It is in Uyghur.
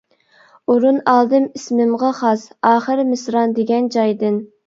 ئورۇن ئالدىم ئىسمىمغا خاس، ئاخىر مىسران دېگەن جايدىن.